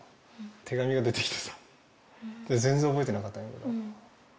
手紙が出てきてさ、全然覚えてなかったんやけど。